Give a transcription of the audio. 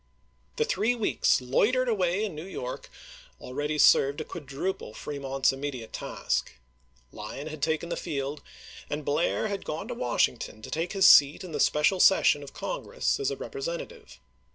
The three weeks loitered away in New York already served to quadruple Fremont's immediate task. Lyon had taken the field, and Blair had gone to Washington to take his seat in the special session of Congress as a Representative.